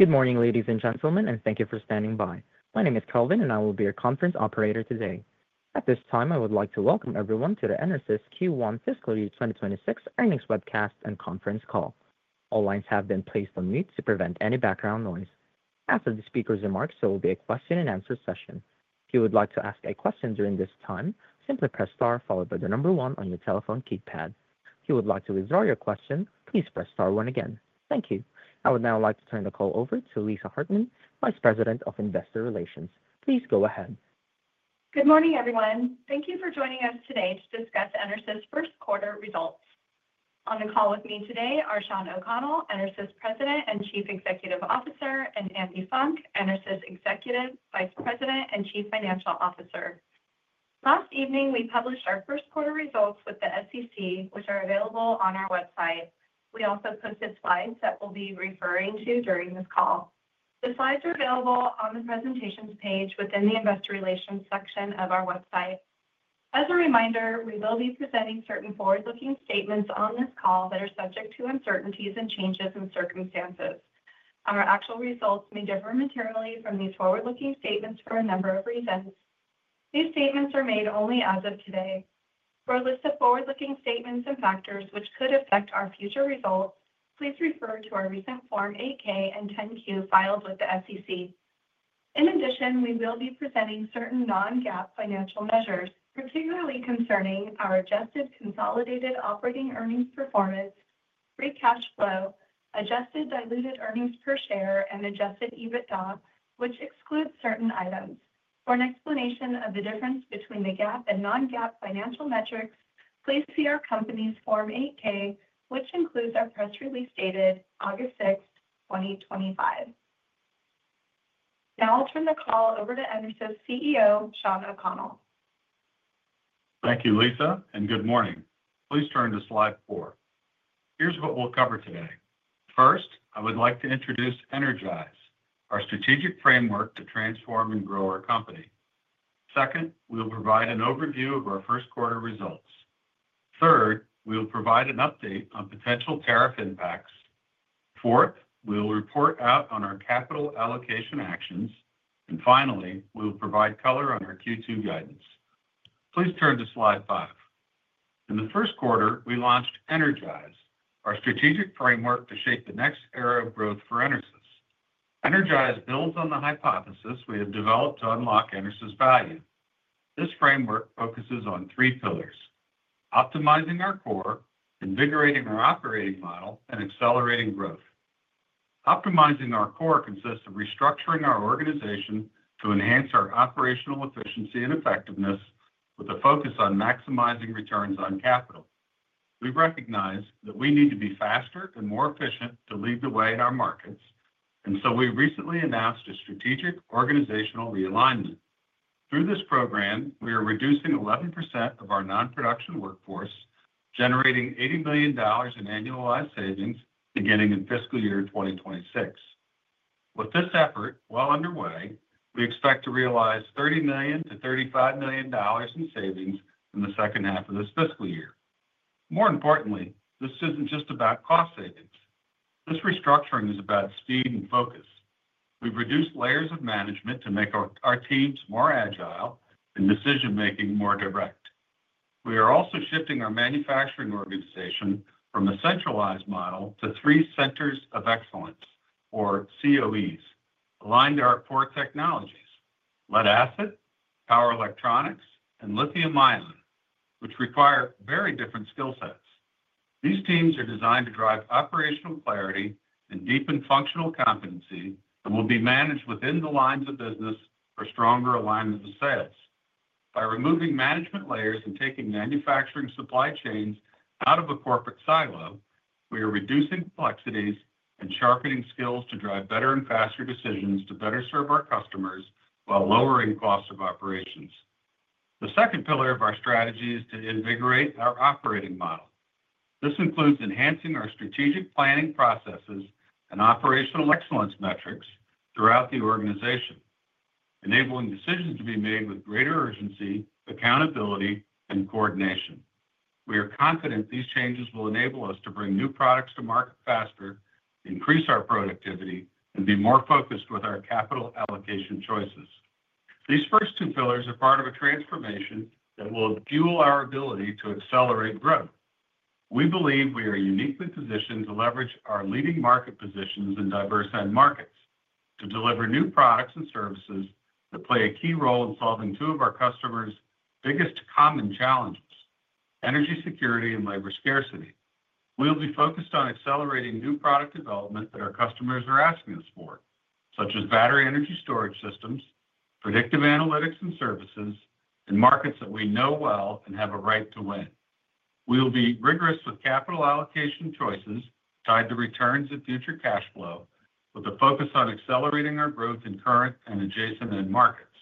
Good morning, ladies and gentlemen, and thank you for standing by. My name is Kelvin, and I will be your conference operator today. At this time, I would like to welcome everyone to the EnerSys Q1 Fiscal Year 2026 earnings webcast and conference call. All lines have been placed on mute to prevent any background noise. After the speaker's remarks, there will be a question and answer session. If you would like to ask a question during this time, simply press star followed by the number one on your telephone keypad. If you would like to withdraw your question, please press star one again. Thank you. I would now like to turn the call over to Lisa Hartman, Vice President of Investor Relations. Please go ahead. Good morning, everyone. Thank you for joining us today to discuss EnerSys's first quarter results. On the call with me today are Shawn O'Connell, EnerSys President and Chief Executive Officer, and Andi Funk, EnerSys Executive Vice President and Chief Financial Officer. Last evening, we published our first quarter results with the SEC, which are available on our website. We also posted slides that we'll be referring to during this call. The slides are available on the presentations page within the Investor Relations section of our website. As a reminder, we will be presenting certain forward-looking statements on this call that are subject to uncertainties and changes in circumstances. Our actual results may differ materially from these forward-looking statements for a number of reasons. These statements are made only as of today. For a list of forward-looking statements and factors which could affect our future results, please refer to our recent Form 8-K and 10-Q files with the SEC. In addition, we will be presenting certain non-GAAP financial measures, particularly concerning our adjusted consolidated operating earnings performance, free cash flow, adjusted diluted earnings per share, and adjusted EBITDA, which excludes certain items. For an explanation of the difference between the GAAP and non-GAAP financial metrics, please see our company's Form 8-K, which includes our press release dated August 6, 2025. Now I'll turn the call over to EnerSys CEO, Shawn O'Connell. Thank you, Lisa, and good morning. Please turn to slide four. Here's what we'll cover today. First, I would like to introduce EnerGize, our strategic framework to transform and grow our company. Second, we'll provide an overview of our first quarter results. Third, we'll provide an update on potential tariff impacts. Fourth, we'll report out on our capital allocation actions. Finally, we'll provide color of our Q2 guidance. Please turn to slide five. In the first quarter, we launched EnerGize, our strategic framework to shape the next era of growth for EnerSys. EnerGize builds on the hypothesis we have developed to unlock EnerSys's value. This framework focuses on three pillars: optimizing our core, invigorating our operating model, and accelerating growth. Optimizing our core consists of restructuring our organization to enhance our operational efficiency and effectiveness, with a focus on maximizing returns on capital. We recognize that we need to be faster and more efficient to lead the way in our markets, so we recently announced a strategic organizational realignment. Through this program, we are reducing 11% of our non-production workforce, generating $80 million in annualized savings beginning in fiscal year 2026. With this effort underway, we expect to realize $30 million-$35 million in savings in the second half of this fiscal year. More importantly, this isn't just about cost savings. This restructuring is about speed and focus. We've reduced layers of management to make our teams more agile and decision-making more direct. We are also shifting our manufacturing organization from a centralized model to three centers of excellence, or CoEs, aligned to our core technologies: lead-acid, power electronics, and lithium-ion, which require very different skill sets. These teams are designed to drive operational clarity and deepen functional competency and will be managed within the lines of business for stronger alignment of sales. By removing management layers and taking manufacturing supply chains out of a corporate silo, we are reducing complexities and sharpening skills to drive better and faster decisions to better serve our customers while lowering the cost of operations. The second pillar of our strategy is to invigorate our operating model. This includes enhancing our strategic planning processes and operational excellence metrics throughout the organization, enabling decisions to be made with greater urgency, accountability, and coordination. We are confident these changes will enable us to bring new products to market faster, increase our productivity, and be more focused with our capital allocation choices. These first two pillars are part of a transformation that will fuel our ability to accelerate growth. We believe we are uniquely positioned to leverage our leading market positions in diverse end markets to deliver new products and services that play a key role in solving two of our customers' biggest common challenges: energy security and labor scarcity. We'll be focused on accelerating new product development that our customers are asking us for, such as battery energy storage systems, predictive analytics and services, in markets that we know well and have a right to win. We'll be rigorous with capital allocation choices tied to returns and future cash flow, with a focus on accelerating our growth in current and adjacent end markets.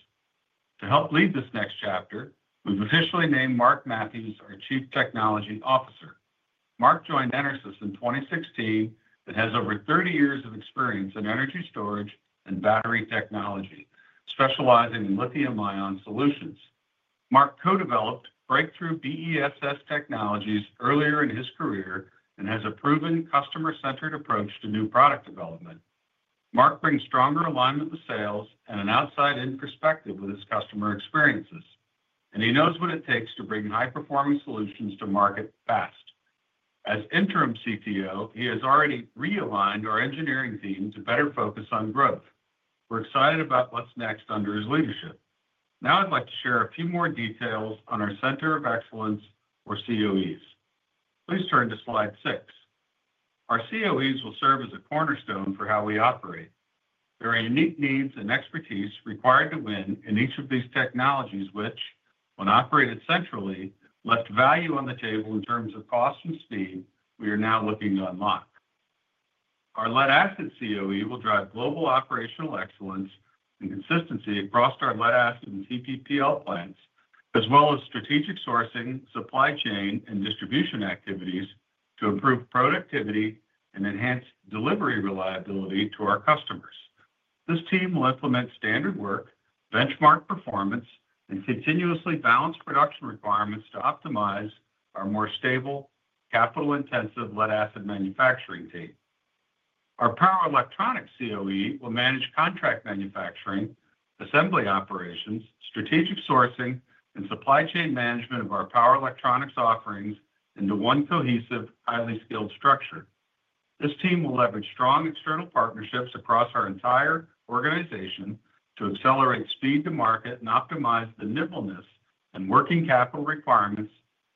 To help lead this next chapter, we've officially named Mark Mathews our Chief Technology Officer. Mark joined EnerSys in 2016 and has over 30 years of experience in energy storage and battery technology, specializing in lithium-ion solutions. Mark co-developed breakthrough BEFS technologies earlier in his career and has a proven customer-centered approach to new product development. Mark brings stronger alignment with sales and an outside-in perspective with his customer experiences, and he knows what it takes to bring high-performance solutions to market fast. As Interim CTO, he has already realigned our engineering team to better focus on growth. We're excited about what's next under his leadership. Now I'd like to share a few more details on our centers of excellence, or CoEs. Please turn to slide six. Our CoEs will serve as a cornerstone for how we operate. There are unique needs and expertise required to win in each of these technologies, which, when operated centrally, left value on the table in terms of cost and speed we are now looking to unlock. Our lead-acid CoE will drive global operational excellence and consistency across our lead-acid and TPPL plants, as well as strategic sourcing, supply chain, and distribution activities to improve productivity and enhance delivery reliability to our customers. This team will implement standard work, benchmark performance, and continuously balance production requirements to optimize our more stable, capital-intensive lead-acid manufacturing team. Our power electronics CoE will manage contract manufacturing, assembly operations, strategic sourcing, and supply chain management of our power electronics offerings into one cohesive, highly skilled structure. This team will leverage strong external partnerships across our entire organization to accelerate speed to market and optimize the nimbleness and working capital requirements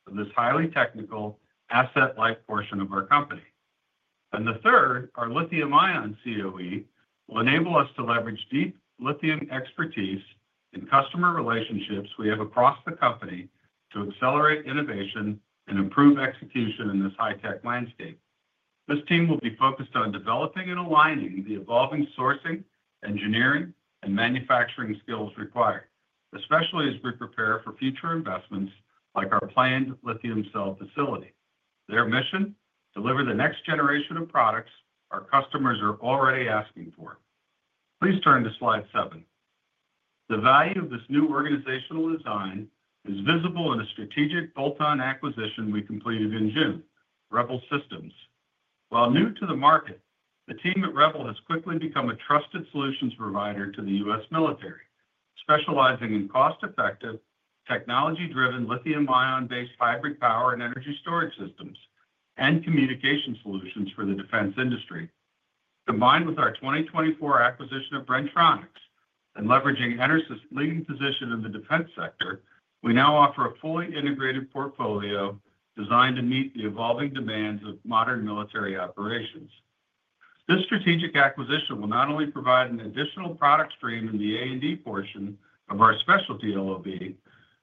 of this highly technical, asset-light portion of our company. The third, our lithium-ion CoE, will enable us to leverage deep lithium expertise in customer relationships we have across the company to accelerate innovation and improve execution in this high-tech landscape. This team will be focused on developing and aligning the evolving sourcing, engineering, and manufacturing skills required, especially as we prepare for future investments like our planned lithium cell facility. Their mission? Deliver the next generation of products our customers are already asking for. Please turn to slide seven. The value of this new organizational design is visible in a strategic bolt-on acquisition we completed in June, Repel Systems. While new to the market, the team at Rebel has quickly become a trusted solutions provider to the U.S. military, specializing in cost-effective, technology-driven lithium-ion-based hybrid power and energy storage systems and communication solutions for the defense industry. Combined with our 2024 acquisition of Bren-Tronics and leveraging EnerSys's leading position in the defense sector, we now offer a fully integrated portfolio designed to meet the evolving demands of modern military operations. This strategic acquisition will not only provide an additional product stream in the A&D portion of our Specialty LOB,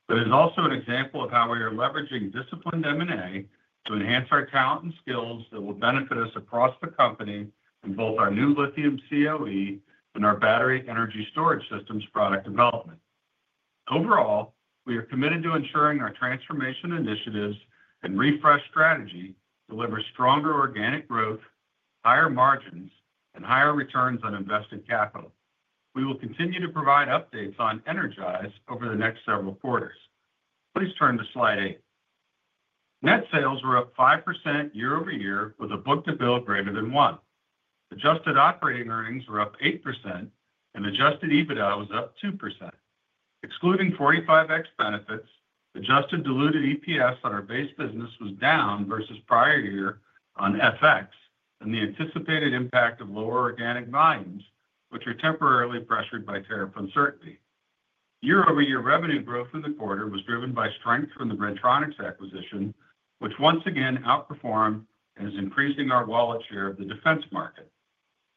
but it is also an example of how we are leveraging disciplined M&A to enhance our talent and skills that will benefit us across the company in both our new lithium CoE and our battery energy storage systems product development. Overall, we are committed to ensuring our transformation initiatives and refresh strategy deliver stronger organic growth, higher margins, and higher returns on invested capital. We will continue to provide updates on EnerGize over the next several quarters. Please turn to slide eight. Net sales were up 5% year-over-year with a book-to-bill greater than one. Adjusted operating earnings were up 8%, and adjusted EBITDA was up 2%. Excluding 45X benefits, adjusted diluted EPS on our base business was down versus prior year on FX, and the anticipated impact of lower organic volumes, which are temporarily pressured by tariff uncertainty. Year-over-year revenue growth in the quarter was driven by strength from the Bren-Tronics acquisition, which once again outperformed and is increasing our wallet share of the defense market.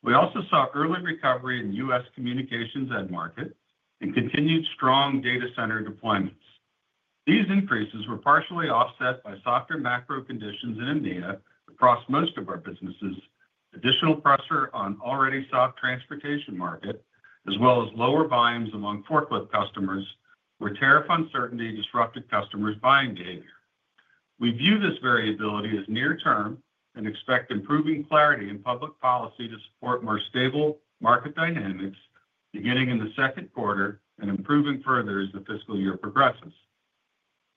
We also saw early recovery in the U.S. communications end market and continued strong data center deployments. These increases were partially offset by softer macro conditions in India across most of our businesses, additional pressure on already soft transportation markets, as well as lower volumes among forklift customers, where tariff uncertainty disrupted customers' buying behavior. We view this variability as near-term and expect improving clarity in public policy to support more stable market dynamics beginning in the second quarter and improving further as the fiscal year progresses.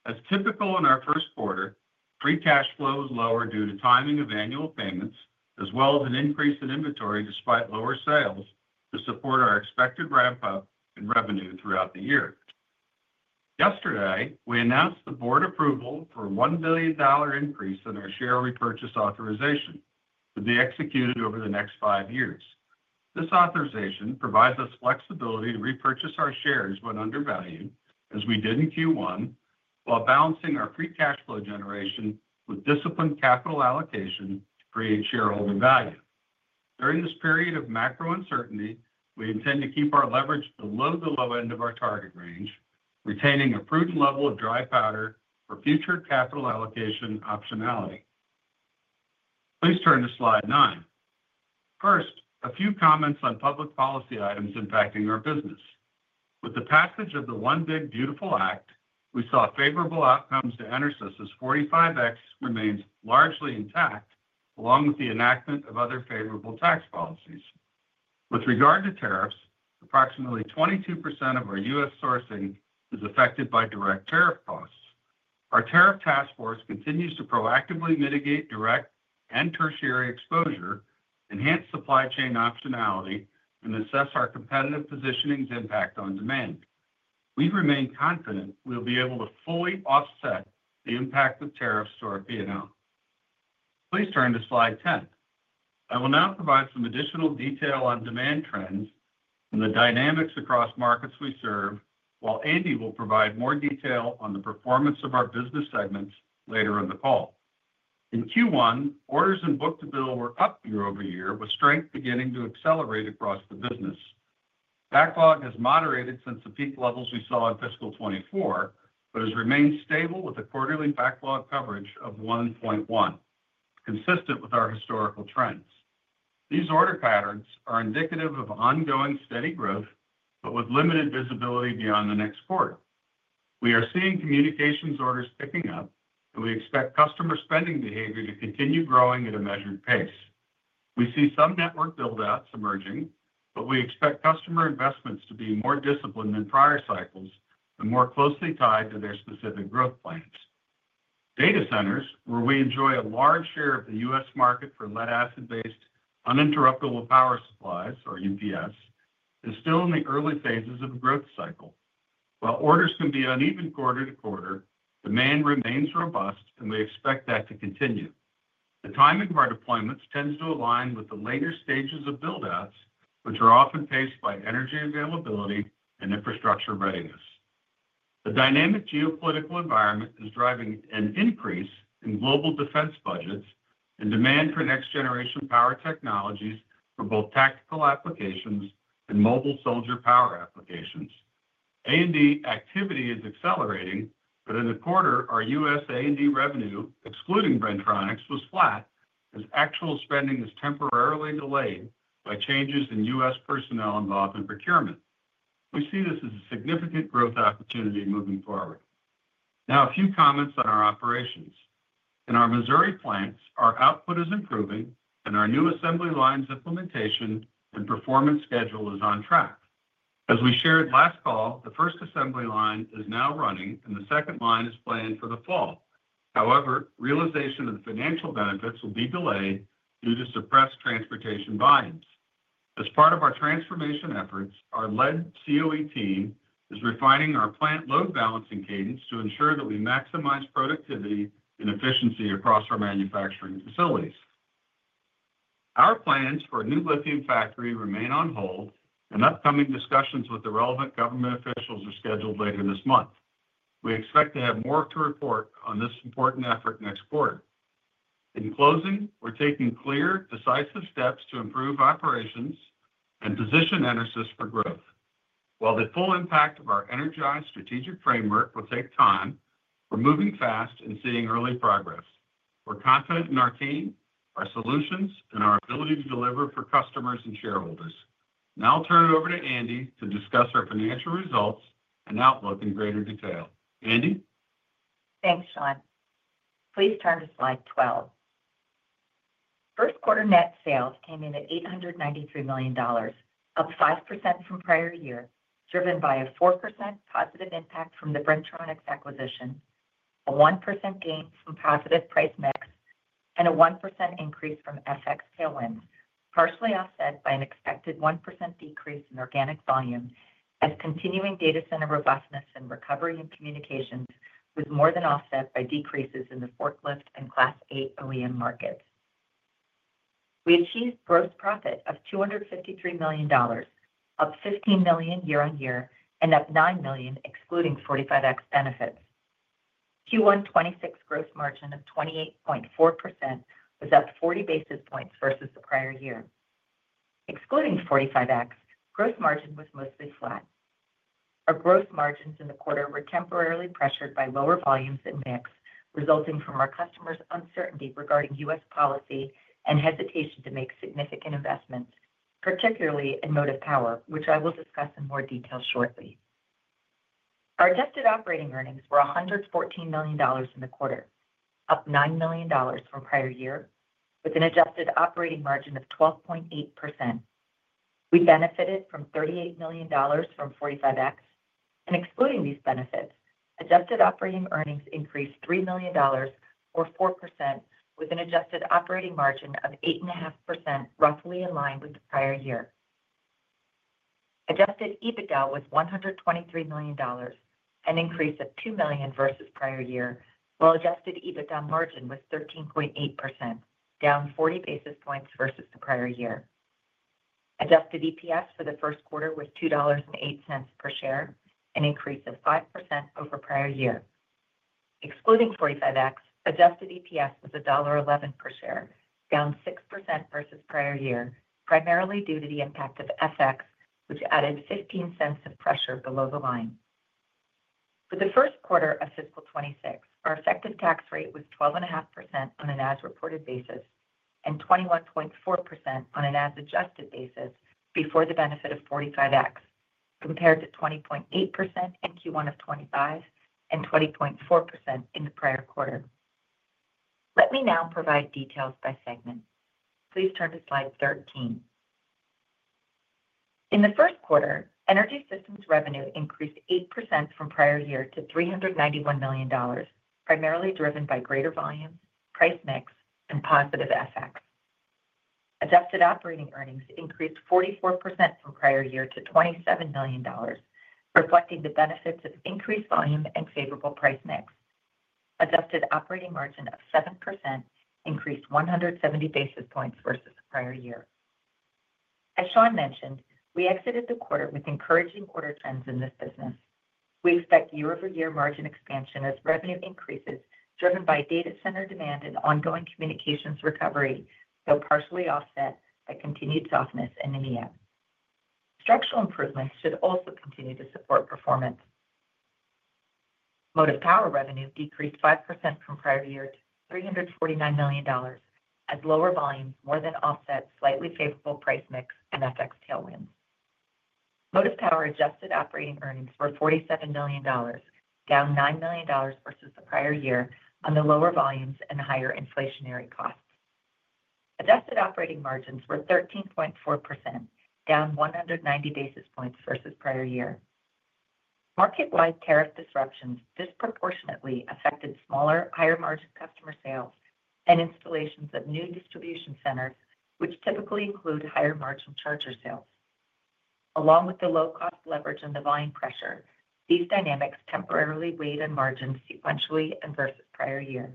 As typical in our first quarter, free cash flow is lower due to timing of annual payments, as well as an increase in inventory despite lower sales to support our expected ramp-up in revenue throughout the year. Yesterday, we announced the Board approval for a $1 billion increase in our share repurchase authorization to be executed over the next five years. This authorization provides us flexibility to repurchase our shares when undervalued, as we did in Q1, while balancing our free cash flow generation with disciplined capital allocation for each shareholding value. During this period of macro uncertainty, we intend to keep our leverage below the low end of our target range, retaining a prudent level of dry powder for future capital allocation optionality. Please turn to slide nine. First, a few comments on public policy items impacting our business. With the passage of the One Big Beautiful Act, we saw favorable outcomes to EnerSys as 45X remains largely intact, along with the enactment of other favorable tax policies. With regard to tariffs, approximately 22% of our U.S. sourcing is affected by direct tariff costs. Our tariff task force continues to proactively mitigate direct and tertiary exposure, enhance supply chain optionality, and assess our competitive positioning's impact on demand. We remain confident we'll be able to fully offset the impact of tariffs to our P&L. Please turn to slide 10. I will now provide some additional detail on demand trends and the dynamics across markets we serve, while Andi will provide more detail on the performance of our business segments later in the call. In Q1, orders and book-to-bill were up year-over-year, with strength beginning to accelerate across the business. Backlog has moderated since the peak levels we saw in fiscal 2024, but has remained stable with a quarterly backlog coverage of 1.1, consistent with our historical trends. These order patterns are indicative of ongoing steady growth, but with limited visibility beyond the next quarter. We are seeing communications orders picking up, and we expect customer spending behavior to continue growing at a measured pace. We see some network buildouts emerging, but we expect customer investments to be more disciplined than prior cycles and more closely tied to their specific growth plans. Data Centers, where we enjoy a large share of the U.S. market for lead-acid-based uninterruptible power supplies, or UPS, are still in the early phases of a growth cycle. While orders can be uneven quarter-to-quarter, demand remains robust, and we expect that to continue. The timing of our deployments tends to align with the later stages of buildouts, which are often paced by energy availability and infrastructure readiness. The dynamic geopolitical environment is driving an increase in global defense budgets and demand for next-generation power technologies for both tactical applications and mobile soldier power applications. A&D activity is accelerating, but in the quarter, our U.S. A&D revenue, excluding Bren-Tronics, was flat, as actual spending was temporarily delayed by changes in U.S. personnel involved in procurement. We see this as a significant growth opportunity moving forward. Now, a few comments on our operations. In our Missouri plants, our output is improving, and our new assembly lines' implementation and performance schedule is on track. As we shared last call, the first assembly line is now running, and the second line is planned for the fall. However, realization of the financial benefits will be delayed due to suppressed transportation volumes. As part of our transformation efforts, our lead CoE team is refining our plant load balancing cadence to ensure that we maximize productivity and efficiency across our manufacturing facilities. Our plans for a new lithium factory remain on hold, and upcoming discussions with the relevant government officials are scheduled later this month. We expect to have more to report on this important effort next quarter. In closing, we're taking clear, decisive steps to improve operations and position EnerSys for growth. While the full impact of our EnerGize strategic framework will take time, we're moving fast and seeing early progress. We're confident in our team, our solutions, and our ability to deliver for customers and shareholders. Now I'll turn it over to Andi to discuss our financial results and outlook in greater detail. Andi? Thanks, Shawn. Please turn to slide 12. First quarter net sales came in at $893 million, up 5% from prior year, driven by a 4% positive impact from the Bren-Tronics acquisition, a 1% gain from positive price nets, and a 1% increase from FX tailwinds, partially offset by an expected 1% decrease in organic volume, as continuing Data Center robustness and recovery in communications was more than offset by decreases in the forklift and Class 8 OEM markets. We achieved gross profit of $253 million, up $15 million year-on-year, and up $9 million, excluding 45X benefits. Q1 2026 gross margin of 28.4% was up 40 basis points versus the prior year. Excluding 45X, gross margin was mostly flat. Our gross margins in the quarter were temporarily pressured by lower volumes and mix, resulting from our customers' uncertainty regarding U.S. policy and hesitation to make significant investments, particularly in Motive Power, which I will discuss in more detail shortly. Our adjusted operating earnings were $114 million in the quarter, up $9 million from prior year, with an adjusted operating margin of 12.8%. We benefited from $38 million from 45X, and excluding these benefits, adjusted operating earnings increased $3 million, or 4%, with an adjusted operating margin of 8.5%, roughly in line with the prior year. Adjusted EBITDA was $123 million, an increase of $2 million versus prior year, while adjusted EBITDA margin was 13.8%, down 40 basis points versus the prior year. Adjusted EPS for the first quarter was $2.08 per share, an increase of 5% over prior year. Excluding 45X, adjusted EPS was $1.11 per share, down 6% versus prior year, primarily due to the impact of FX, which added $0.15 of pressure below the line. For the first quarter of fiscal 2026, our effective tax rate was 12.5% on an as-reported basis and 21.4% on an as-adjusted basis before the benefit of 45X, compared to 20.8% in Q1 of 2025 and 20.4% in the prior quarter. Let me now provide details by segment. Please turn to slide 13. In the first quarter, Energy Systems revenue increased 8% from prior year to $391 million, primarily driven by greater volume, price mix, and positive FX. Adjusted operating earnings increased 44% from prior year to $27 million, reflecting the benefits of increased volume and favorable price mix. Adjusted operating margin of 7% increased 170 basis points versus the prior year. As Shawn mentioned, we exited the quarter with encouraging quarter's ends in this business. We expect year-over-year margin expansion as revenue increases, driven by Data Center demand and ongoing communications recovery, though partially offset by continued softness in India. Structural improvements should also continue to support performance. Motive Power revenue decreased 5% from prior year to $349 million, as lower volumes more than offset slightly favorable price mix and FX tailwinds. Motive Power adjusted operating earnings were $47 million, down $9 million versus the prior year on the lower volumes and higher inflationary costs. Adjusted operating margins were 13.4%, down 190 basis points versus prior year. Market-wide tariff disruptions disproportionately affected smaller, higher margin customer sales and installations of new distribution centers, which typically include higher margin charger sales. Along with the low cost leverage and the volume pressure, these dynamics temporarily weighed on margins sequentially and versus prior year.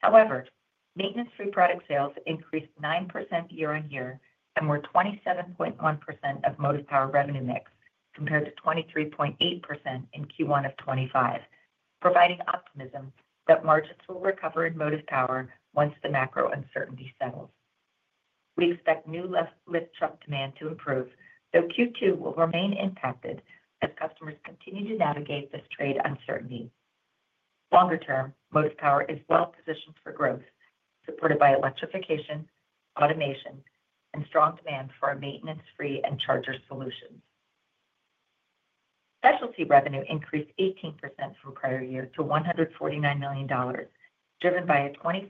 However, maintenance free product sales increased 9% year-on-year and were 27.1% of Motive Power revenue mix, compared to 23.8% in Q1 of 2025, providing optimism that margins will recover in Motive Power once the macro uncertainty settles. We expect new lift truck demand to improve, though Q2 will remain impacted as customers continue to navigate the straight uncertainty. Longer term, Motive Power is well positioned for growth, supported by electrification, automation, and strong demand for our maintenance free and charger solutions. Specialty revenue increased 18% from prior year to $149 million, driven by a 24%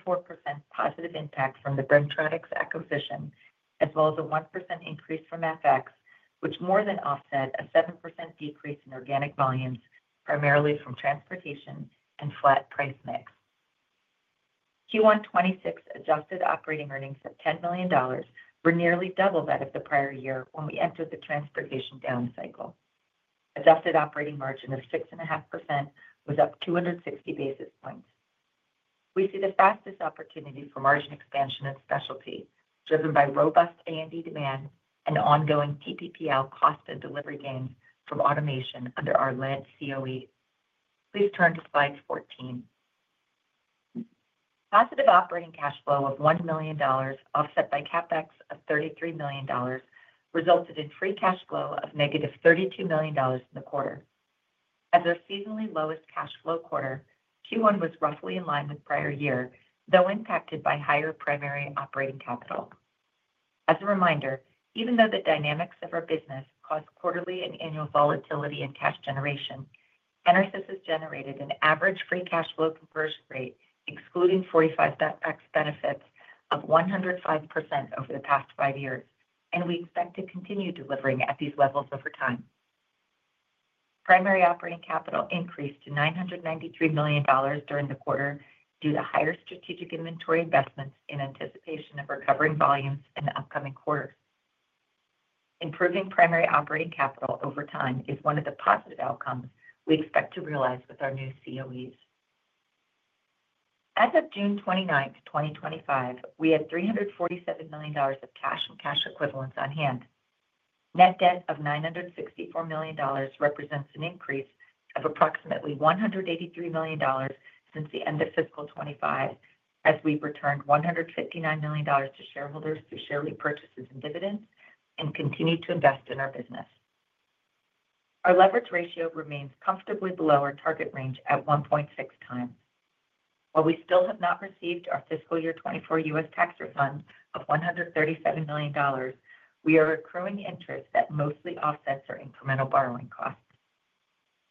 positive impact from the Bren-Tronics acquisition, as well as a 1% increase from FX, which more than offset a 7% decrease in organic volumes, primarily from transportation and flat price mix. Q1 2026 adjusted operating earnings at $10 million were nearly double that of the prior year when we entered the transportation down cycle. Adjusted operating margin of 6.5% was up 260 basis points. We see the fastest opportunity for margin expansion in Specialty, driven by robust A&D demand and ongoing TPPL cost and delivery gain from automation under our lead CoE. Please turn to slide 14. Positive operating cash flow of $1 million, offset by CapEx of $33 million, resulted in free cash flow of -$32 million in the quarter. As our seasonally lowest cash flow quarter, Q1 was roughly in line with prior year, though impacted by higher primary operating capital. As a reminder, even though the dynamics of our business cause quarterly and annual volatility in cash generation, EnerSys has generated an average free cash flow conversion rate, excluding 45X benefits, of 105% over the past five years, and we expect to continue delivering at these levels over time. Primary operating capital increased to $993 million during the quarter due to higher strategic inventory investments in anticipation of recovering volumes in the upcoming quarter. Improving primary operating capital over time is one of the positive outcomes we expect to realize with our new CoE. As of June 29, 2025, we have $347 million of cash and cash equivalents on hand. Net debt of $964 million represents an increase of approximately $183 million since the end of fiscal 2025, as we've returned $159 million to shareholders through share repurchases and dividends and continue to invest in our business. Our leverage ratio remains comfortably below our target range at 1.6x. While we still have not received our fiscal year 2024 U.S. tax refund of $137 million, we are accruing interest that mostly offsets our incremental borrowing costs.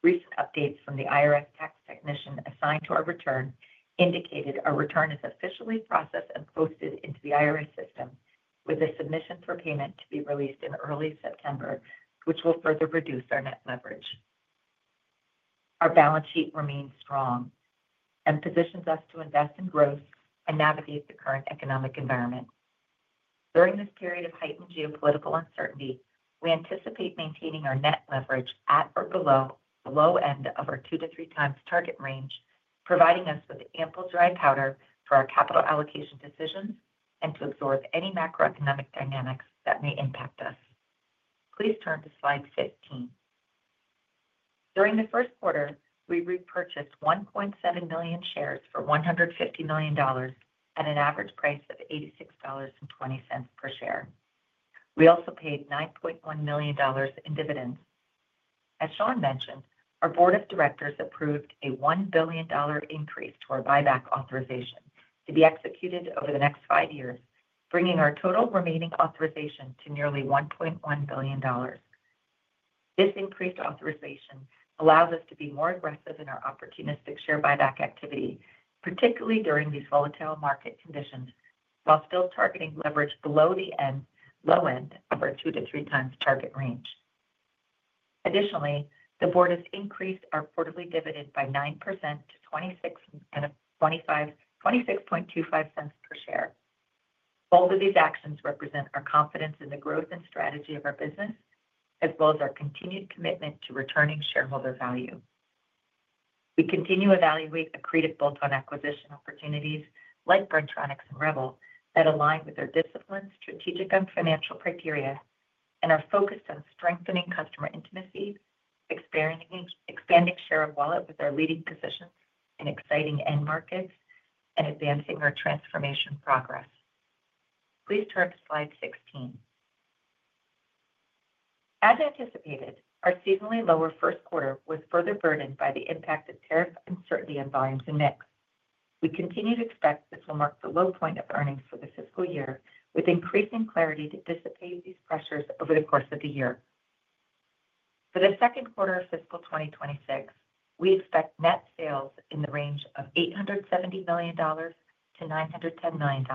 Recent updates from the IRS tax technician assigned to our return indicated our return is officially processed and posted into the IRS system, with a submission for payment to be released in early September, which will further reduce our net leverage. Our balance sheet remains strong and positions us to invest in growth and navigate the current economic environment. During this period of heightened geopolitical uncertainty, we anticipate maintaining our net leverage at or below the low end of our two to three times target range, providing us with ample dry powder for our capital allocation decisions and to absorb any macroeconomic dynamics that may impact us. Please turn to slide 15. During the first quarter, we repurchased 1.7 million shares for $150 million at an average price of $86.20 per share. We also paid $9.1 million in dividends. As Shawn mentioned, our Board of Directors approved a $1 billion increase to our buyback authorization to be executed over the next five years, bringing our total remaining authorization to nearly $1.1 billion. This increased authorization allows us to be more aggressive in our opportunistic share buyback activity, particularly during these volatile market conditions, while still targeting leverage below the low end of our 2x-3x times target range. Additionally, the board has increased our quarterly dividend by 9% to $0.2625 per share. All of these actions represent our confidence in the growth and strategy of our business, as well as our continued commitment to returning shareholder value. We continue to evaluate accretive bolt-on acquisition opportunities like Bren-Tronics and Rebel that align with our disciplined, strategic, and financial criteria, and are focused on strengthening customer intimacy, expanding share of wallet with our leading positions in exciting end markets, and advancing our transformation progress. Please turn to slide 16. As anticipated, our seasonally lower first quarter was further burdened by the impact of tariff uncertainty on volumes and mix. We continue to expect this will mark the low point of earnings for the fiscal year, with increasing clarity to dissipate these pressures over the course of the year. For the second quarter of fiscal 2026, we expect net sales in the range of $870 million-$910 million,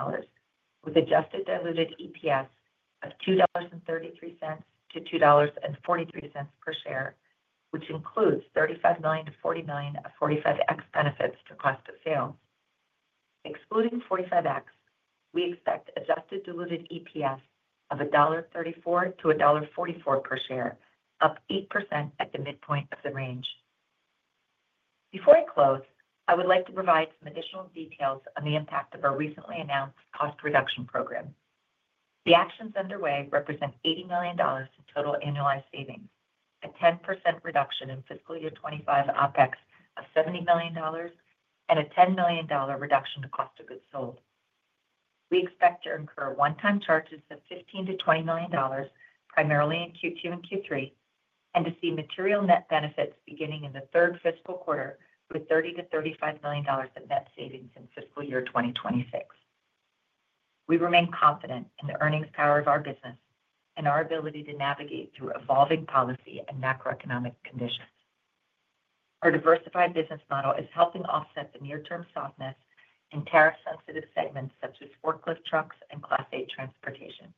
with adjusted diluted EPS of $2.33-$2.43 per share, which includes $35 million-$49 million of 45X benefits to cost of sale. Excluding 45X, we expect adjusted diluted EPS of $1.34-$1.44 per share, up 8% at the midpoint of the range. Before I close, I would like to provide some additional details on the impact of our recently announced cost reduction program. The actions underway represent $80 million in total annualized savings, a 10% reduction in fiscal year 2025 OpEx of $70 million, and a $10 million reduction to cost of goods sold. We expect to incur one-time charges of $15 million-$20 million, primarily in Q2 and Q3, and to see material net benefits beginning in the third fiscal quarter with $30 million-$35 million in net savings in fiscal year 2026. We remain confident in the earnings power of our business and our ability to navigate through evolving policy and macroeconomic conditions. Our diversified business model is helping offset the near-term softness in tariff-sensitive segments such as forklift trucks and Class 8 transportation.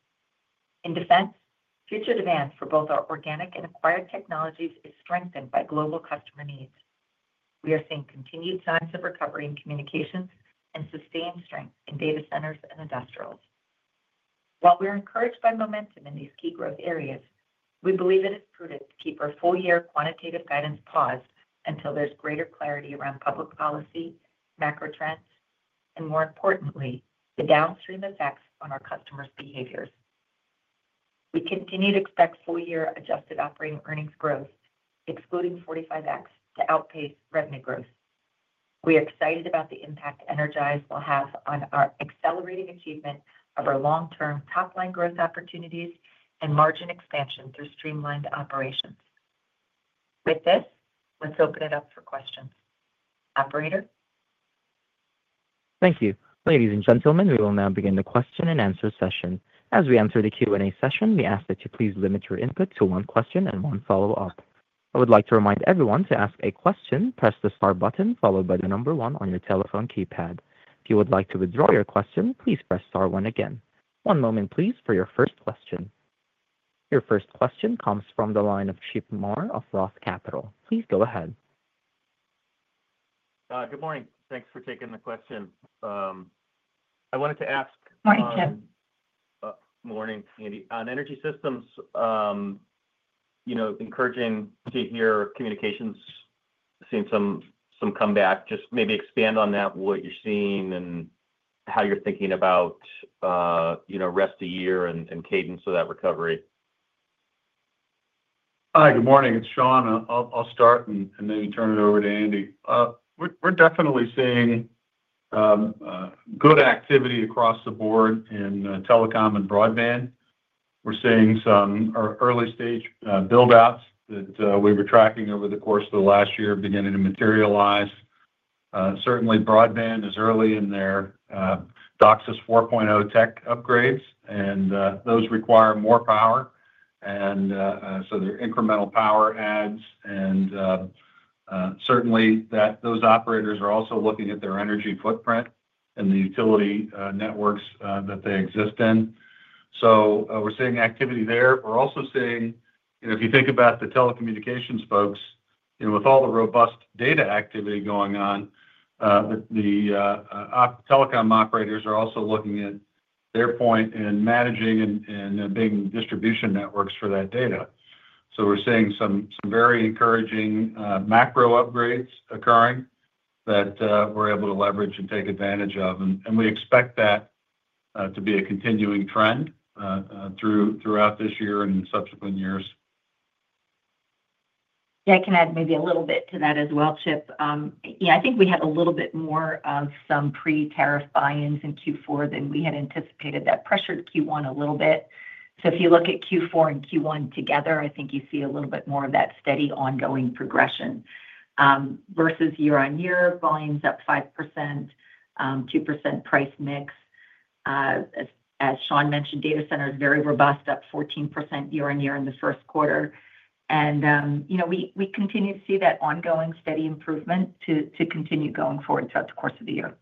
In defense, future demand for both our organic and acquired technologies is strengthened by global customer needs. We are seeing continued signs of recovery in communications and sustained strength in Data Centers and industrials. While we are encouraged by momentum in these key growth areas, we believe it is prudent to keep our full-year quantitative guidance paused until there's greater clarity around public policy, macro trends, and more importantly, the downstream effects on our customers' behaviors. We continue to expect full-year adjusted operating earnings growth, excluding 45X, to outpace revenue growth. We are excited about the impact EnerGize will have on our accelerating achievement of our long-term top-line growth opportunities and margin expansion through streamlined operations. With this, let's open it up for questions. Operator? Thank you. Ladies and gentlemen, we will now begin the question and answer session. As we enter the Q&A session, we ask that you please limit your input to one question and one follow-up. I would like to remind everyone to ask a question, press the star button followed by the number one on your telephone keypad. If you would like to withdraw your question, please press star one again. One moment, please, for your first question. Your first question comes from the line of Chip Moore of ROTH Capital. Please go ahead. Good morning. Thanks for taking the question. I wanted to ask. Morning, Chip. Morning, Andi. On Energy Systems, you know, encouraging to hear communications, seeing some come back. Just maybe expand on that, what you're seeing and how you're thinking about, you know, rest of year and cadence of that recovery. Hi, good morning. It's Shawn. I'll start and maybe turn it over to Andi. We're definitely seeing good activity across the board in telecom and broadband. We're seeing some early-stage buildouts that we were tracking over the course of the last year beginning to materialize. Broadband is early in their DOCSIS 4.0 tech upgrades, and those require more power. They're incremental power adds. Those operators are also looking at their energy footprint and the utility networks that they exist in. We're seeing activity there. If you think about the telecommunications folks, with all the robust data activity going on, the telecom operators are also looking at their point in managing and being distribution networks for that data. We're seeing some very encouraging macro upgrades occurring that we're able to leverage and take advantage of. We expect that to be a continuing trend throughout this year and subsequent years. Yeah, I can add maybe a little bit to that as well, Chip. I think we had a little bit more of some pre-tariff buy-ins in Q4 than we had anticipated that pressured Q1 a little bit. If you look at Q4 and Q1 together, I think you see a little bit more of that steady ongoing progression versus year-on-year volumes up 5%, 2% price mix. As Shawn mentioned, data centers are very robust, up 14% year-on-year in the first quarter. You know, we continue to see that ongoing steady improvement to continue going forward throughout the course of the year.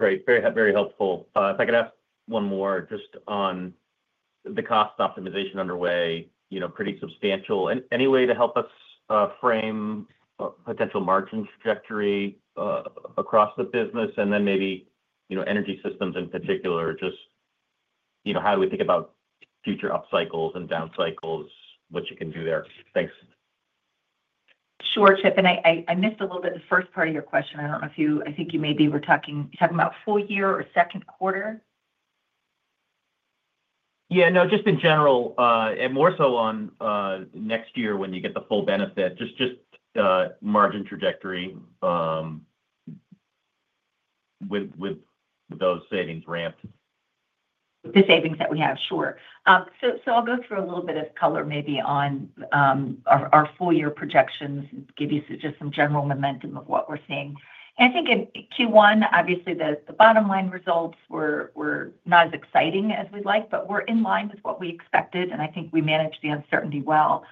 Great. Very, very helpful. If I could ask one more just on the cost optimization underway, you know, pretty substantial. Any way to help us frame a potential margin trajectory across the business, and then maybe, you know, Energy Systems in particular, just, you know, how do we think about future up cycles and down cycles, what you can do there? Thanks. Sure, Chip. I missed a little bit of the first part of your question. I don't know if you, I think you maybe were talking about full year or second quarter. Yeah, no, just in general, and more so on next year when you get the full benefit, just margin trajectory with those savings ramped. With the savings that we have, sure. I'll go through a little bit of color maybe on our full-year projections and give you just some general momentum of what we're seeing. I think in Q1, obviously, the bottom line results were not as exciting as we'd like, but were in line with what we expected. I think we managed the uncertainty well,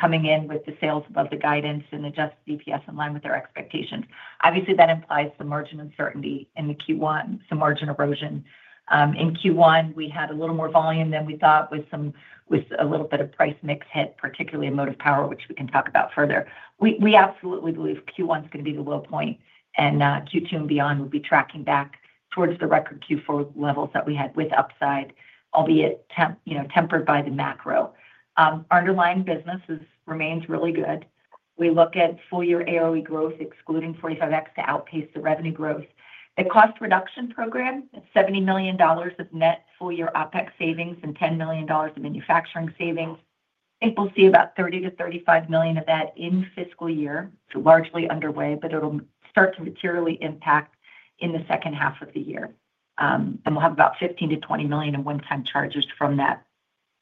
coming in with the sales above the guidance and adjusted EPS in line with our expectations. Obviously, that implies the margin uncertainty in Q1, some margin erosion. In Q1, we had a little more volume than we thought with a little bit of price mix hit, particularly in Motive Power, which we can talk about further. We absolutely believe Q1 is going to be the low point, and Q2 and beyond will be tracking back towards the record Q4 levels that we had with upside, albeit tempered by the macro. Our underlying business remains really good. We look at full-year AOE growth, excluding 45X, to outpace the revenue growth. The cost reduction program, $70 million of net full-year OpEx savings and $10 million of manufacturing savings. I think we'll see about $30 million-$35 million of that in fiscal year. It's largely underway, but it'll start to materially impact in the second half of the year. We'll have about $15 million-$20 million in one-time charges from that.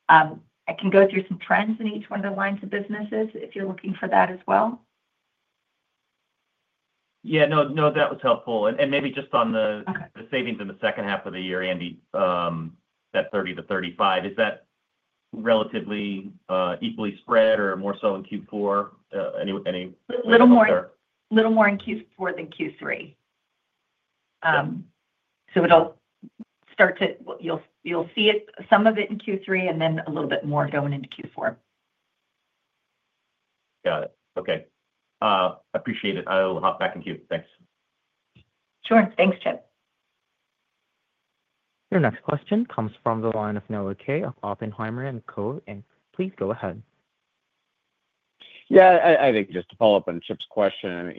I can go through some trends in each one of the lines of businesses if you're looking for that as well. No, that was helpful. Maybe just on the savings in the second half of the year, Andi, that $30 million-$35 million, is that relatively equally spread or more so in Q4? You'll see some of it in Q3 and then a little bit more going into Q4. Got it. Okay, I appreciate it. I'll hop back in queue. Thanks. Sure. Thanks, Chip. Your next question comes from the line of Noah Kaye of Oppenheimer & Co Inc. Please go ahead. Yeah, I think just to follow up on Chip's question,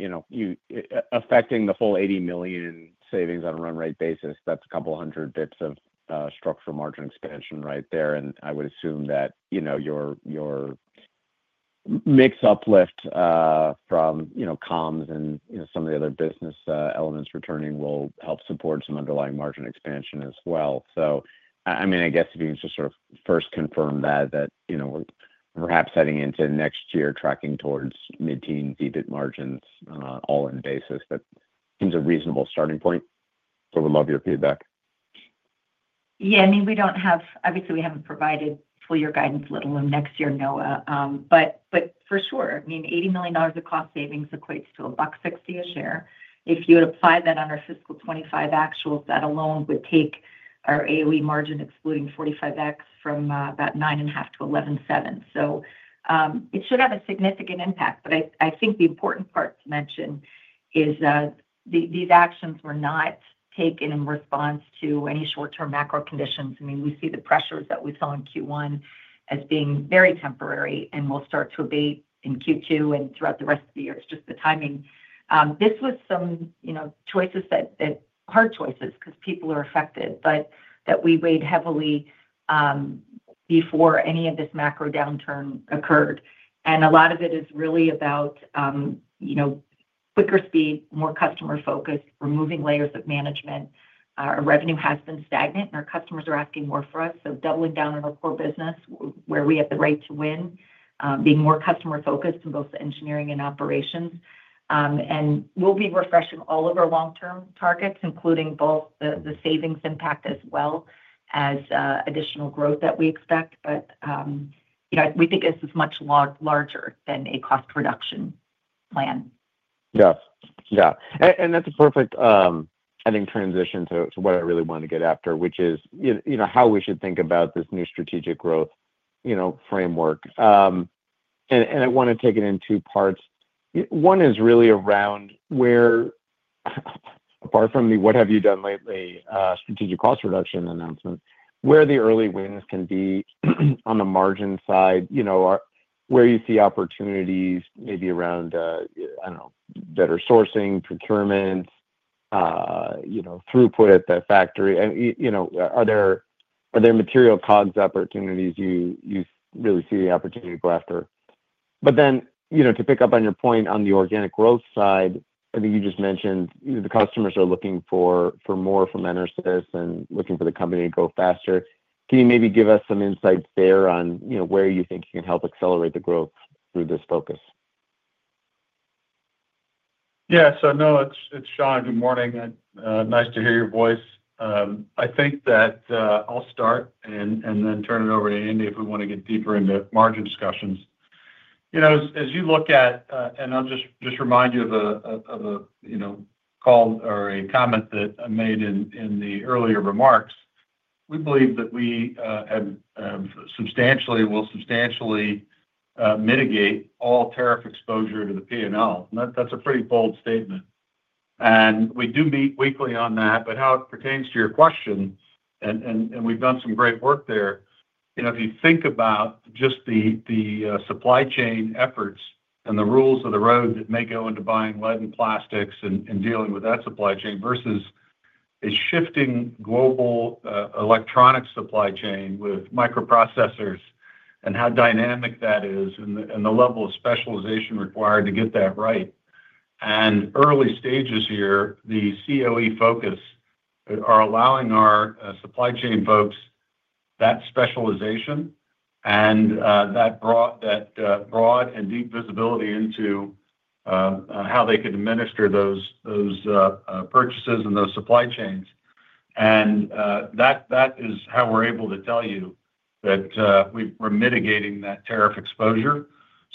affecting the full $80 million savings on a run-rate basis, that's a couple hundred bps of structural margin expansion right there. I would assume that your mix uplift from comms and some of the other business elements returning will help support some underlying margin expansion as well. I guess if you can just sort of first confirm that we're perhaps heading into next year tracking towards mid-teens EBIT margins on an all-in basis, that seems a reasonable starting point. We'd love your feedback. Yeah, I mean, we don't have, obviously, we haven't provided full-year guidance, let alone next year, Noah. For sure, I mean, $80 million of cost savings equates to $1.60 a share. If you would apply that on our fiscal 2025 actual, that alone would take our AOE margin, excluding 45X, from about 9.5% to 11.7%. It should have a significant impact. I think the important part to mention is that these actions were not taken in response to any short-term macro conditions. We see the pressures that we saw in Q1 as being very temporary and will start to abate in Q2 and throughout the rest of the year. It's just the timing. This was some choices that are hard choices because people are affected, but that we weighed heavily before any of this macro downturn occurred. A lot of it is really about quicker speed, more customer focus, removing layers of management. Our revenue has been stagnant and our customers are asking more for us. Doubling down on our core business where we have the right to win, being more customer focused in both the engineering and operations. We'll be refreshing all of our long-term targets, including both the savings impact as well as additional growth that we expect. We think this is much larger than a cost reduction plan. Yeah. Yeah. That's a perfect, I think, transition to what I really wanted to get after, which is, you know, how we should think about this new strategic growth, you know, framework. I want to take it in two parts. One is really around where, apart from the "what have you done lately?" strategic cost reduction announcement, where the early wins can be on the margin side, where you see opportunities maybe around, I don't know, better sourcing, procurement, throughput at the factory. Are there material COGS opportunities you really see the opportunity to go after? To pick up on your point on the organic growth side, I think you just mentioned the customers are looking for more from EnerSys and looking for the company to go faster. Can you maybe give us some insights there on where you think you can help accelerate the growth through this focus? Yeah. No, it's Shawn. Good morning. Nice to hear your voice. I think that I'll start and then turn it over to Andi if we want to get deeper into margin discussions. As you look at, and I'll just remind you of a comment that I made in the earlier remarks, we believe that we will substantially mitigate all tariff exposure to the P&L. That's a pretty bold statement. We do meet weekly on that. How it pertains to your question, we've done some great work there. If you think about just the supply chain efforts and the rules of the road that make it onto buying lead and plastics and dealing with that supply chain versus a shifting global electronics supply chain with microprocessors and how dynamic that is and the level of specialization required to get that right. Early stages here, the CoE focus are allowing our supply chain folks that specialization and that broad and deep visibility into how they could administer those purchases and those supply chains. That is how we're able to tell you that we're mitigating that tariff exposure.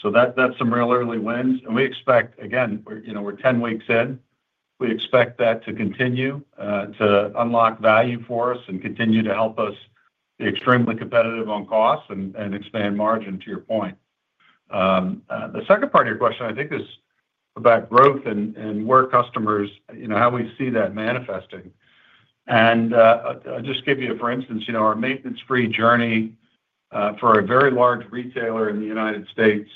That's some real early wins. We expect, again, we're 10 weeks in. We expect that to continue to unlock value for us and continue to help us be extremely competitive on costs and expand margin to your point. The second part of your question, I think, is about growth and where customers, how we see that manifesting. I'll just give you, for instance, our maintenance-free journey for a very large retailer in the United States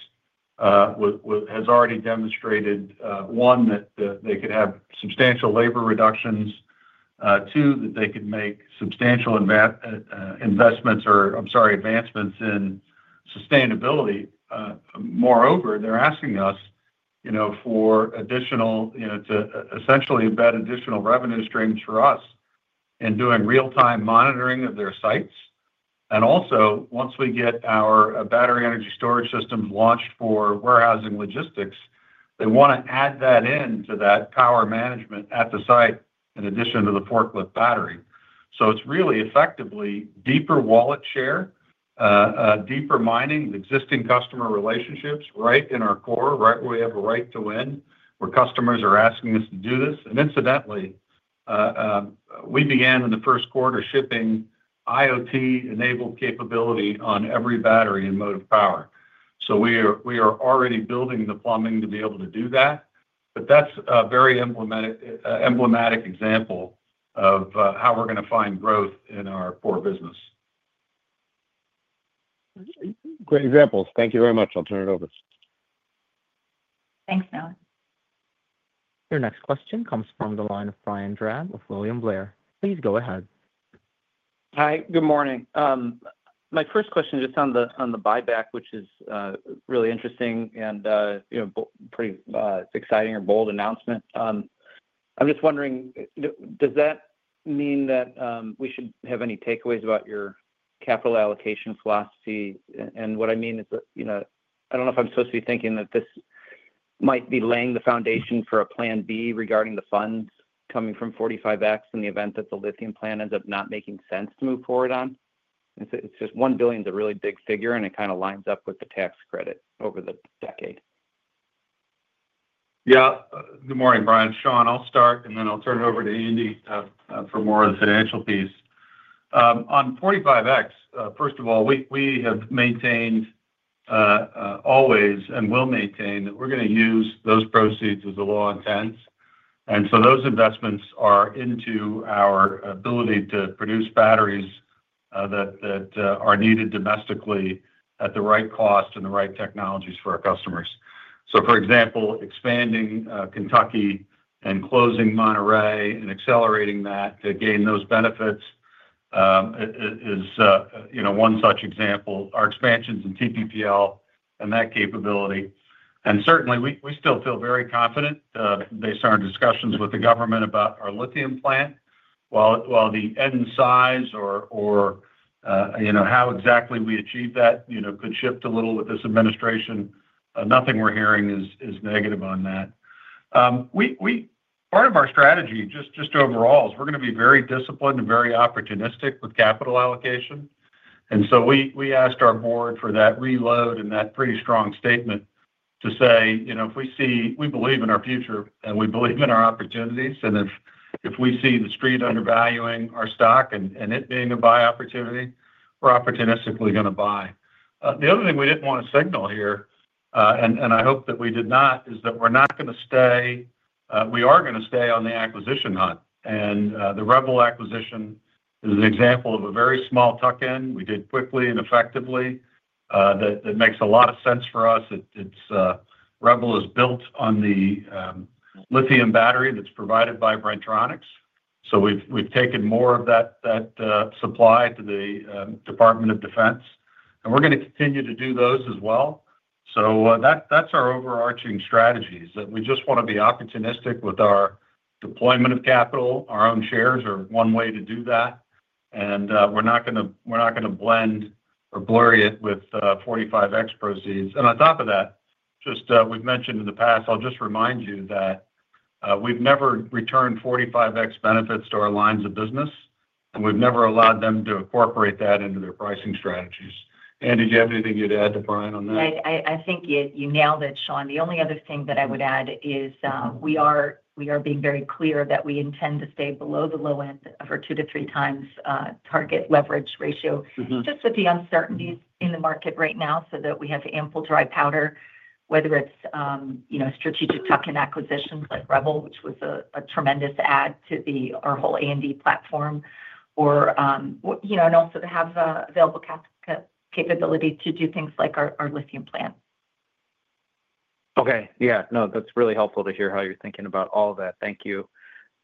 has already demonstrated, one, that they could have substantial labor reductions, two, that they could make substantial investments or, I'm sorry, advancements in sustainability. Moreover, they're asking us for additional, to essentially embed additional revenue streams for us in doing real-time monitoring of their sites. Also, once we get our battery energy storage systems launched for warehousing logistics, they want to add that into that power management at the site in addition to the forklift battery. It's really effectively deeper wallet share, deeper mining of existing customer relationships right in our core, right where we have a right to win, where customers are asking us to do this. Incidentally, we began in the first quarter shipping IoT-enabled capability on every battery in Motive Power. We are already building the plumbing to be able to do that. That's a very emblematic example of how we're going to find growth in our core business. Great examples. Thank you very much. I'll turn it over. Thanks, Noah. Your next question comes from the line of Brian Drab of William Blair. Please go ahead. Hi, good morning. My first question is just on the buyback, which is really interesting and, you know, pretty exciting or bold announcement. I'm just wondering, does that mean that we should have any takeaways about your capital allocation philosophy? What I mean is that, you know, I don't know if I'm supposed to be thinking that this might be laying the foundation for a plan B regarding the funds coming from 45X in the event that the lithium plan ends up not making sense to move forward on. It's just $1 billion is a really big figure, and it kind of lines up with the tax credit over the decade. Yeah. Good morning, Brian. Shawn, I'll start, and then I'll turn it over to Andi for more of the financial piece. On 45X, first of all, we have maintained always and will maintain that we're going to use those proceeds with the law intent. Those investments are into our ability to produce batteries that are needed domestically at the right cost and the right technologies for our customers. For example, expanding Kentucky and closing Monterey and accelerating that to gain those benefits is one such example. Our expansions in TPPL and that capability. We still feel very confident based on our discussions with the government about our lithium plant. While the end size or how exactly we achieve that could shift a little with this administration, nothing we're hearing is negative on that. Part of our strategy, just overall, is we're going to be very disciplined and very opportunistic with capital allocation. We asked our board for that reload and that pretty strong statement to say, if we see, we believe in our future and we believe in our opportunities, and if we see the street undervaluing our stock and it being a buy opportunity, we're opportunistically going to buy. The other thing we didn't want to signal here, and I hope that we did not, is that we're not going to stay, we are going to stay on the acquisition hunt. The Rebel acquisition is an example of a very small tuck-in we did quickly and effectively that makes a lot of sense for us. Rebel is built on the lithium battery that's provided by Bren-Tronics. We've taken more of that supply to the Department of Defense. We're going to continue to do those as well. That's our overarching strategy, that we just want to be opportunistic with our deployment of capital. Our own shares are one way to do that. We're not going to blend or blur it with 45X proceeds. On top of that, just as we've mentioned in the past, I'll just remind you that we've never returned 45X benefits to our lines of business. We've never allowed them to incorporate that into their pricing strategies. Andi, do you have anything you'd add to Brian on that? I think you nailed it, Shawn. The only other thing that I would add is we are being very clear that we intend to stay below the low end of our 2x-3x times target leverage ratio, just with the uncertainties in the market right now, so that we have ample dry powder, whether it's, you know, strategic tuck-in acquisitions like Bren-Tronics, which was a tremendous add to our whole A&D platform, or, you know, also to have available capital capability to do things like our lithium plant. Okay. Yeah, that's really helpful to hear how you're thinking about all of that. Thank you.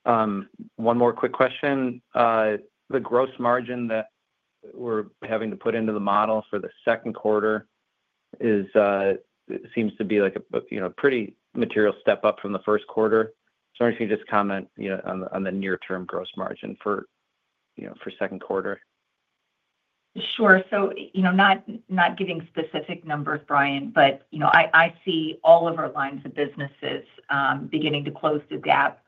One more quick question. The gross margin that we're having to put into the model for the second quarter seems to be like a pretty material step up from the first quarter. I wonder if you could just comment on the near-term gross margin for, you know, for second quarter. Sure. Not giving specific numbers, Brian, but I see all of our lines of business beginning to close the gap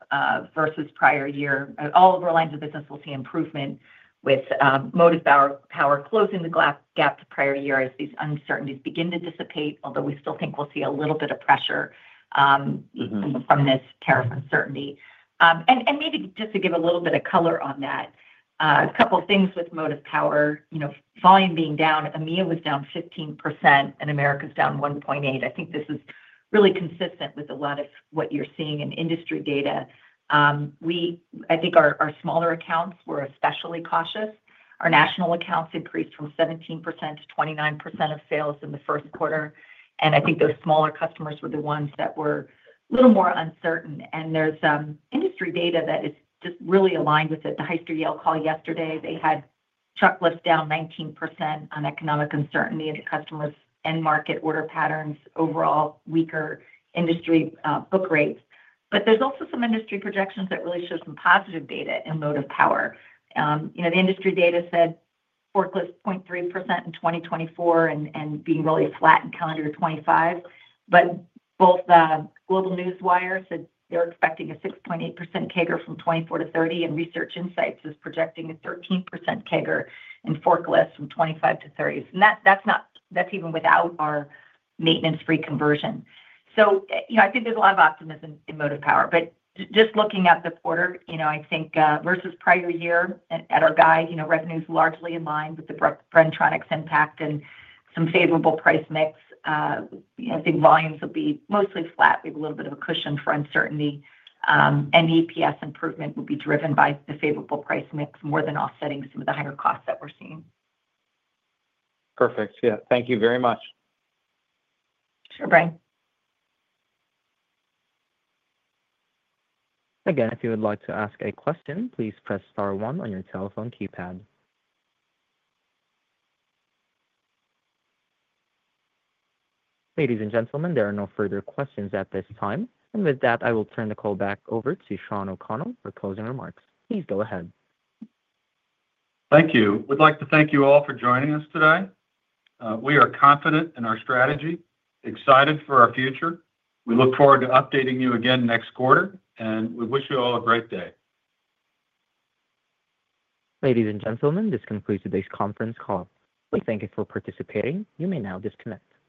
versus prior year. All of our lines of business will see improvement with Motive Power closing the gap to prior year as these uncertainties begin to dissipate, although we still think we'll see a little bit of pressure from this tariff uncertainty. Maybe just to give a little bit of color on that, a couple of things with Motive Power: volume being down, EMEA was down 15% and Americas down 1.8%. I think this is really consistent with a lot of what you're seeing in industry data. I think our smaller accounts were especially cautious. Our national accounts increased from 17% to 29% of sales in the first quarter. I think those smaller customers were the ones that were a little more uncertain. There's industry data that is just really aligned with it. The Hyster-Yale call yesterday, they had truck lifts down 19% on economic uncertainty of the customers' end market order patterns, overall weaker industry book rates. There are also some industry projections that really show some positive data in Motive Power. The industry data said forklifts 0.3% in 2024 and being really flat in calendar 2025. Both the GlobeNewswire said they're expecting a 6.8% CAGR from 2024 to 30%, and Research Insights is projecting a 13% CAGR in forklifts from 2025 to 2030. That's even without our maintenance-free conversion. I think there's a lot of optimism in Motive Power. Just looking at the quarter, I think versus prior year at our guide, revenue is largely in line with the Bren-Tronics impact and some favorable price mix. I think volumes will be mostly flat. We have a little bit of a cushion for uncertainty. The EPS improvement will be driven by the favorable price mix more than offsetting some of the higher costs that we're seeing. Perfect. Yeah, thank you very much. Sure, Brian. Again, if you would like to ask a question, please press star one on your telephone keypad. Ladies and gentlemen, there are no further questions at this time. With that, I will turn the call back over to Shawn O'Connell for closing remarks. Please go ahead. Thank you. We'd like to thank you all for joining us today. We are confident in our strategy, excited for our future. We look forward to updating you again next quarter, and we wish you all a great day. Ladies and gentlemen, this concludes today's conference call. We thank you for participating. You may now disconnect.